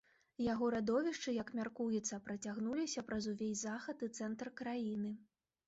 Яго радовішчы, як мяркуецца, працягнуліся праз увесь захад і цэнтр краіны.